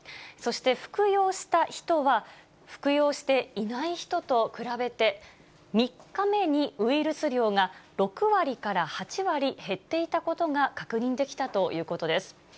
そして服用した人は、服用していない人と比べて、３日目にウイルス量が、６割から８割減っていたことが確認できたということです。